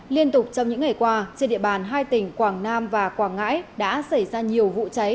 liên tục trong những ngày qua trên địa bàn hai tỉnh quảng nam và quảng ngãi đã xảy ra nhiều vụ cháy